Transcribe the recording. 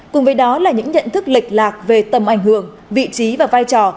cùng với đó là những nhận thức lệch lạc về tầm ảnh hưởng vị trí và vai trò